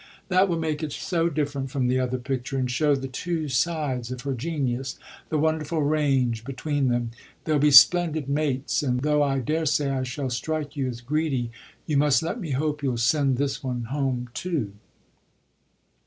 "That will make it so different from the other picture and show the two sides of her genius, the wonderful range between them. They'll be splendid mates, and though I daresay I shall strike you as greedy you must let me hope you'll send this one home too."